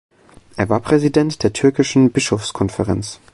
Er war Präsident der Türkischen Bischofskonferenz.